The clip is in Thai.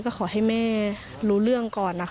ก็ขอให้แม่รู้เรื่องก่อนนะคะ